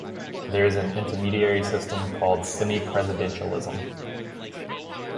There is an intermediary system called semi-presidentialism.